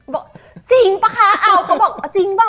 บอกจริงป่ะคะเอาเขาบอกจริงป่ะ